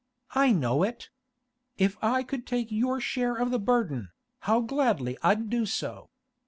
I know it. If I could take your share of the burden, how gladly I'd do so!